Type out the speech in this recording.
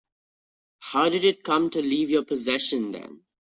How did it come to leave your possession then?